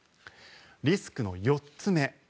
リスクの４つ目。